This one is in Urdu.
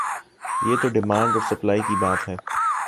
یہ تو ڈیمانڈ اور سپلائی کی بات ہے۔